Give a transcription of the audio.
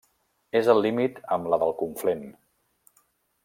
És al límit amb la del Conflent.